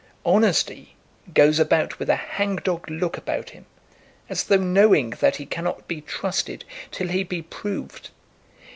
Honesty goes about with a hang dog look about him, as though knowing that he cannot be trusted till he be proved.